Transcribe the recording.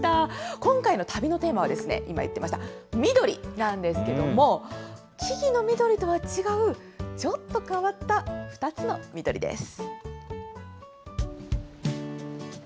今回の旅のテーマは、今言ってました、緑なんですけども、木々の緑とは違う、ちょっと変わった２つの緑です。